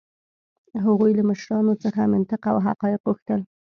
هغوی له مشرانو څخه منطق او حقایق غوښتل.